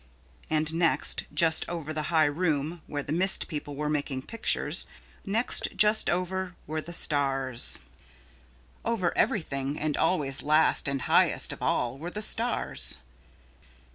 And next just over the high room where the mist people were making pictures, next just over were the stars. Over everything and always last and highest of all, were the stars.